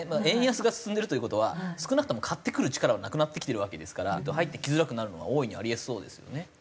円安が進んでるという事は少なくとも買ってくる力はなくなってきてるわけですから入ってきづらくなるのは大いにあり得そうですよね。